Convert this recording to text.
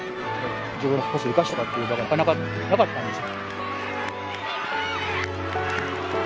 自分の個性生かしたりとかっていう場がなかなかなかったんですね。